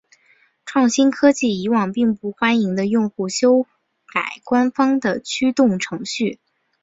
创新科技以往并不欢迎用户修改官方的驱动程序。